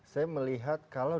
saya melihat kalau